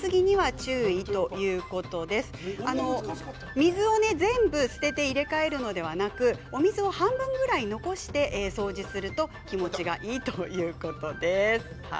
水を全部捨てて入れ替えるのではなく、お水を半分ぐらい残して掃除すると気持ちがいいということです。